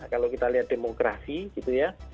kalau kita lihat demokrasi gitu ya